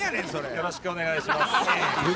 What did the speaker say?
よろしくお願いします。